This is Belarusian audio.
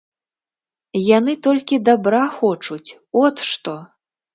Яны толькі дабра хочуць, от што.